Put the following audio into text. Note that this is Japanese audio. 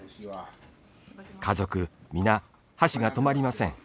家族皆、箸が止まりません。